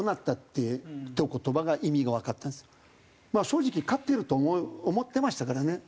正直勝てると思ってましたからね。